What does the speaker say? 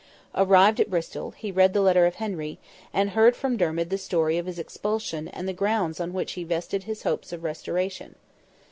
Arrived at Bristol, he read the letter of Henry, and heard from Dermid the story of his expulsion and the grounds on which he vested his hopes of restoration.